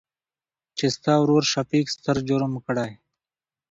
چې ستا ورورشفيق ستر جرم کړى.